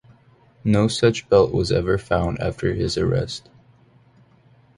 No such belt was ever found after his arrest.